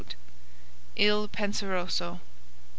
Il Penseroso.